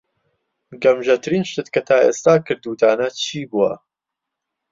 گەمژەترین شت کە تا ئێستا کردووتانە چی بووە؟